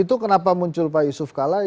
itu kenapa muncul pak yusuf kala